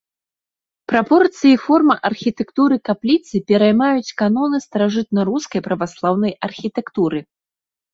Прапорцыі і форма архітэктуры капліцы пераймаюць каноны старажытнарускай праваслаўнай архітэктуры.